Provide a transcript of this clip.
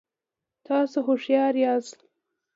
تاسو هوښیار یاست